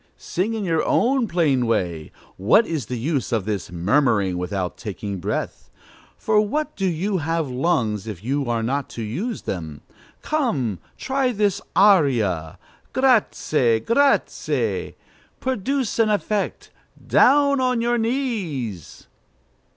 Sing in your own plain way: what is the use of this murmuring without taking breath? For what do you have lungs if you are not to use them? Come, try this aria: 'Grâce,' 'grâce!' Produce an effect! Down on your knees!"